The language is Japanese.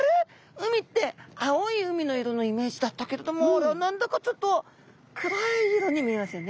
海って青い海の色のイメージだったけれども何だかちょっと暗い色に見えますよね。